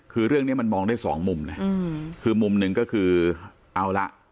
คือเรื่องนี้มันมองได้สองมุมนะคือมุมหนึ่งก็คือเอาละ